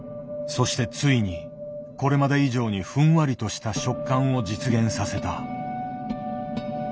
そしてついにこれまで以上にふんわりとした食感を実現させた。